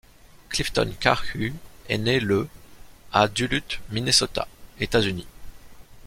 Clifton Karhu est né le à Duluth Minnesota, États-Unis.